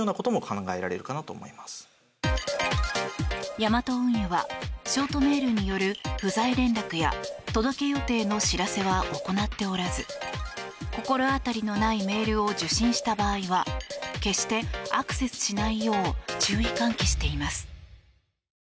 ヤマト運輸はショートメールによる不在連絡や届け予定の知らせは行っておらず心当たりのないメールを受信した場合は決してアクセスしないよう注意喚起しています。